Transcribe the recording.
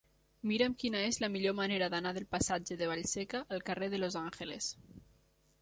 Mira'm quina és la millor manera d'anar del passatge de Vallseca al carrer de Los Angeles.